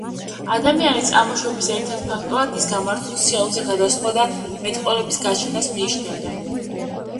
ადამიანის წარმოშობის ერთ-ერთ ფაქტორად ის გამართულ სიარულზე გადასვლას და მეტყველების გაჩენას მიიჩნევდა.